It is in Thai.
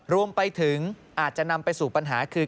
รวมไปถึงอาจจะนำไปสู่ปัญหาคือ